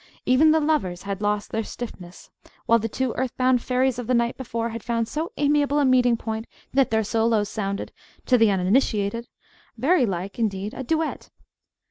Even the lovers had lost their stiffness, while the two earth bound fairies of the night before had found so amiable a meeting point that their solos sounded, to the uninitiated, very like, indeed, a duet.